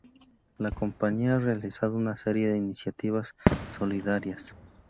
La compañía ha realizado una serie de iniciativas solidarias.